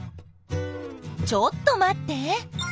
ちょっと待って。